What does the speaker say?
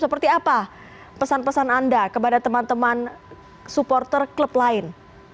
seperti apa pesan pesan anda kepada teman teman supporter klub lain